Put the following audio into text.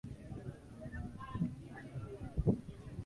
Zuhra amechelewa kuwasili.